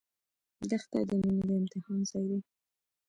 دښته د مینې د امتحان ځای دی.